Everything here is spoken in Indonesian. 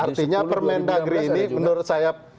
artinya permendagri ini menurut saya